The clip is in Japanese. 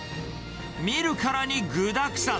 見るからに具だくさん。